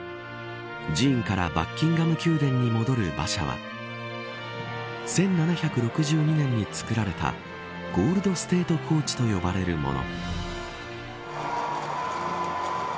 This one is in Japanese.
寺院からバッキンガム宮殿に戻る馬車は１７６２年に作られたゴールド・ステート・コーチと呼ばれるもの。